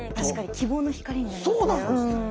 希望の光になりますね。